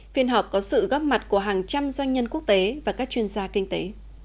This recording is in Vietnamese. phiên họp có sự góp mặt của hàng trăm doanh nhân quốc tế và các chuyên gia kinh tế